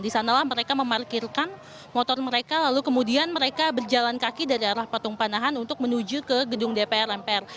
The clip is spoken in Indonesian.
di sanalah mereka memarkirkan motor mereka lalu kemudian mereka berjalan kaki dari arah patung panahan untuk menuju ke gedung dpr mpr